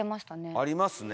ありますね。